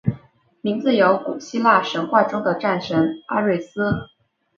名字由来于古希腊神话中的战神阿瑞斯。